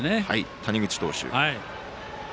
谷口投手。